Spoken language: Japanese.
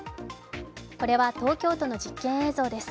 これは東京都の実験映像です。